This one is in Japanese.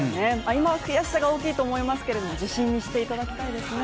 今は悔しさが大きいと思いますけれども、自信にしていただきたいですね。